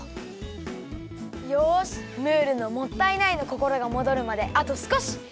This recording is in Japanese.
よしムールのもったいないのこころがもどるまであとすこし！